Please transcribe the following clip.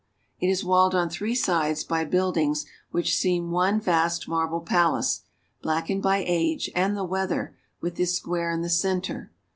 It is walled on three sides by build ings which seem one vast marble palace, blackened by age and the weather, with this square in the center.